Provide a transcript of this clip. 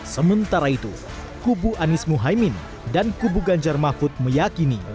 sementara itu kubu anies muhaymin dan kubu ganjar mahfud meyakini